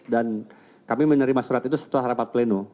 dan kami menerima surat itu setelah rapat pleno